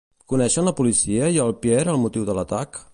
Coneixen la policia i el Pierre el motiu de l'atac?